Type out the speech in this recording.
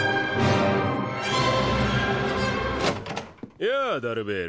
やあダルベール。